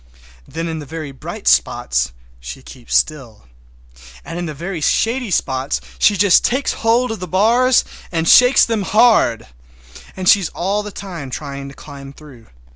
Then in the very bright spots she keeps still, and in the very shady spots she just takes hold of the bars and shakes them hard. And she is all the time trying to climb through.